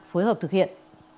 phối hợp thực hiện